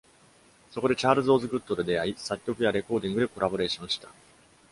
そこでチャールズ・オズグッドと出会い、作曲やレコーディングでコラボレーションした。